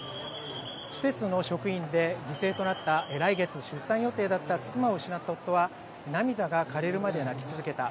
施設の職員で犠牲となった来月出産予定だった妻を失った夫は、涙がかれるまで泣き続けた。